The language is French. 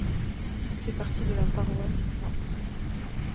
Il fait partie de la Paroisse North.